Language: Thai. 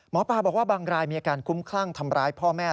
หมอปลาบอกว่าบางรายมีอาการคุ้มคลั่งทำร้ายพ่อแม่